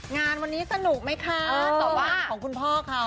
งานวันนี้สนุกไหมคะแต่ว่าของคุณพ่อเขา